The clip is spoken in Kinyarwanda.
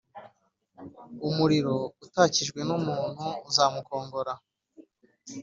umuriro utakijwe n’umuntu uzamukongora,